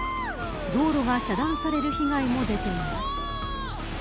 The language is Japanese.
道路が遮断される被害も出ています。